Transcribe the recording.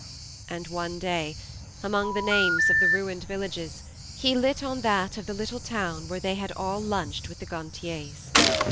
And one day, among the names of the ruined villages, he lit on that of the little town where they had all lunched with the Gantiers.